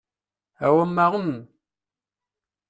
Awamma en!